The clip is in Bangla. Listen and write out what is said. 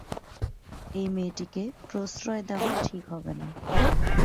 এ মেয়েটিকে প্রশ্রয় দেয়া ঠিক হবে না।